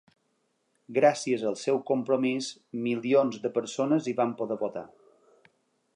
Gràcies al seu compromís, milions de persones hi van poder votar.